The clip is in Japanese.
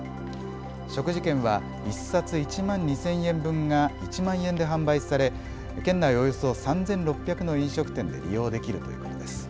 食事券は１冊１万２０００円分が１万円で販売され県内およそ３６００の飲食店で利用できるということです。